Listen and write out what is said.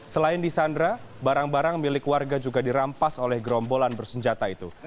selain di sandra barang barang milik warga juga dirampas oleh gerombolan bersenjata itu